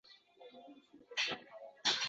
tiliga yog’ surtib